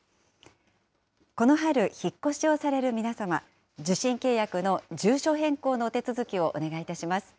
この春、引っ越しをされる皆様、受信契約の住所変更のお手続きをお願いいたします。